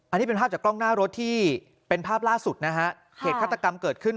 อันนี้เป็นภาพจากกล้องหน้ารถที่เป็นภาพล่าสุดนะฮะเหตุฆาตกรรมเกิดขึ้น